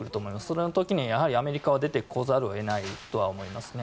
その時に、アメリカは出てこざるを得ないとは思いますね。